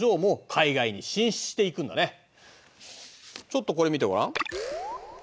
ちょっとこれ見てごらん。